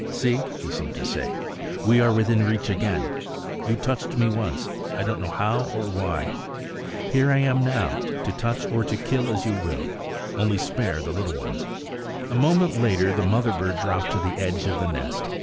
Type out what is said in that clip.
"See," he seemed to say, "we are within reach again. You touched me once; I don't know how or why. Here I am now, to touch or to kill, as you will; only spare the little ones." A moment later the mother bird dropped to the edge of the nest.